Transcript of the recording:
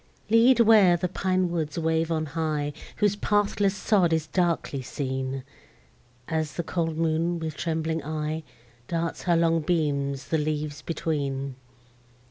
Lead where the pine woods wave on high, Whose pathless sod is darkly seen, As the cold moon, with trembling eye, Darts her long beams the leaves between.